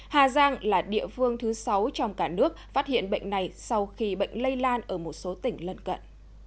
hà giang là địa phương thứ sáu trong cả nước phát hiện bệnh này sau khi bệnh lây lan ở một số tỉnh lân cận